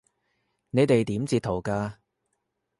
你哋點截圖㗎？